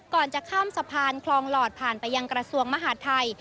ก่อนจะข้ามสะพานคลองหลอดผ่านไปยังกระทรวงมหาดไทย